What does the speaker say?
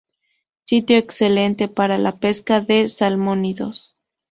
Sitio excelente para la pesca de salmónidos.